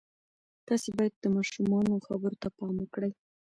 تاسې باید د ماشومانو خبرو ته پام وکړئ.